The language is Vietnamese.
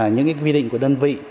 những quy định của đơn vị